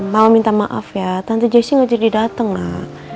mau minta maaf ya tante jessy gak jadi dateng lah